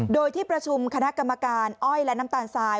โดยที่ประชุมคณะกรรมการอ้อยและน้ำตาลทราย